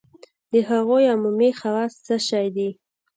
د هغو عمومي خواص څه شی دي؟